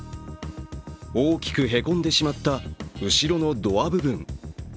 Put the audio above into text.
大きくへこんでしまった後ろのドア部分。